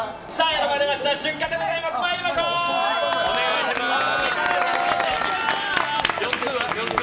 選ばれました出荷でございます！